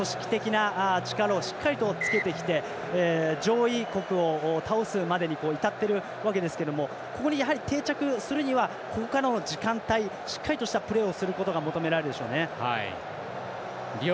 フィジーも本当にここ近年、組織的な力をしっかりとつけてきて上位国を倒すまでに至っているわけですけどもここにやはり定着するにはここからの時間帯しっかりとしたプレーをすること求められるでしょうね。